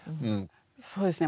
そうですね